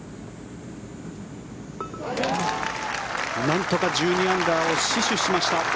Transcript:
なんとか１２アンダーを死守しました。